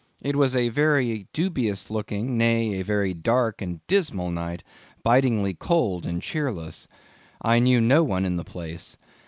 It was a very dubious looking, nay, a very dark and dismal night, bitingly cold and cheerless. I knew no one in the place.